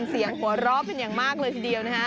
เสียงหัวเราะเป็นอย่างมากเลยทีเดียวนะฮะ